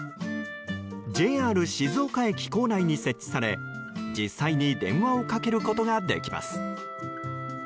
ＪＲ静岡駅構内に設置され実際に電話をかけることができます。